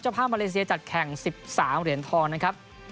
ภาพมาเลเซียจัดแข่ง๑๓เหรียญทองนะครับ